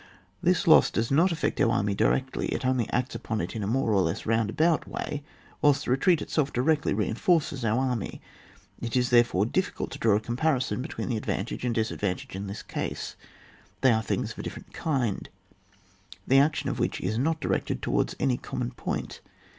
This loss does not affect our army directly ; it only acts upon it in a more or less roundabout way, whilst the retreat itself directly reinforces our army.' It is, therefore, diificult to draw a comparison between the advantage and diseuivantage in this case; they are things of a dif ferent kind, the action of which is not directed towards any common point.